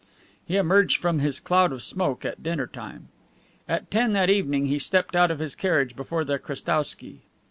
He emerged from his cloud of smoke at dinner time. At ten that evening he stepped out of his carriage before the Krestowsky.